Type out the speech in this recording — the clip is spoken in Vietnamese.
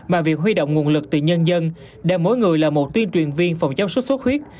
mà việc huy động nguồn lực từ nhân dân để mỗi người là một tuyên truyền viên phòng chống sốt xuất huyết